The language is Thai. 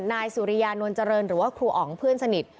นายสุริยานวลเจริญหรือว่าครูอ๋องเพื่อนสนิท